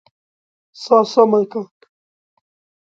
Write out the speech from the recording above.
سا سمه که!